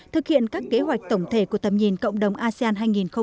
thực hiện các kế hoạch tổng thể của tầm nhìn cộng đồng asean hai nghìn hai mươi năm